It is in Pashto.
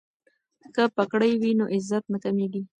که پګړۍ وي نو عزت نه کمیږي.